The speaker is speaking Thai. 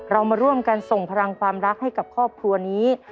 เรามาร่วมกันส่งพลังความรักให้กับครอบครัวนี้